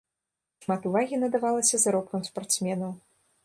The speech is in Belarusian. Шмат увагі надавалася заробкам спартсменаў.